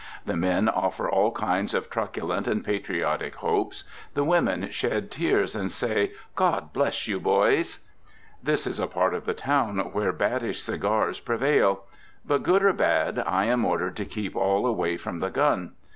The men offer all kinds of truculent and patriotic hopes; the women shed tears, and say, "God bless you, boys!" This is a part of the town where baddish cigars prevail. But good or bad, I am ordered to keep all away from the gun.